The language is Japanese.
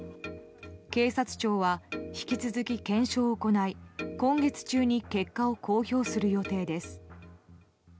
警察庁は引き続き検証を行い今月中に結果を公表する予定です。